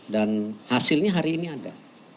dan hasilnya hari ini ada